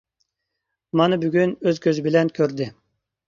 مانا بۈگۈن ئۆز كۆزى بىلەن كۆردى.